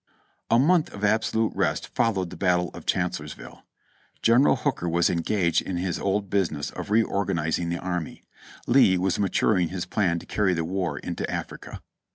A month of absolute rest followed the battle of Chancellors ville ; General Hooker was engaged in his old business of reor ganizing the army ; Lee was maturing his plan to carry the war into Africa.